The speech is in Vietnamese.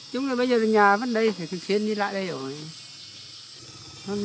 chúng tôi bây giờ nhà vẫn đây phải thực hiện đi lại đây rồi